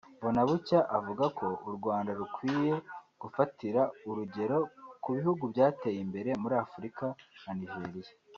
Mbonabucya avuga ko u Rwanda rukwiye gufatira urugero ku bihugu byateye imbere muri Afurika nka Nigeria